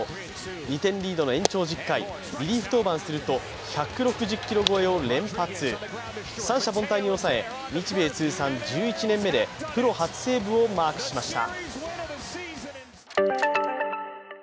２点リードの延長１０回、リリーフ登板すると１６０キロ超えを連発、三者凡退に抑え日米通算１１年目でプロ初セーブをマークしました。